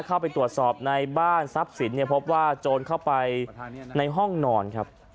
เข้าไปตรวจสอบในบ้านทรัพย์สินพบว่าโจรเข้าไปในห้องนอนครับ